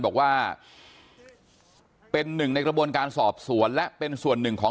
บอกว่าเป็นหนึ่งในกระบวนการสอบสวนและเป็นส่วนหนึ่งของ